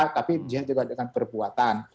tapi juga dengan perbuatan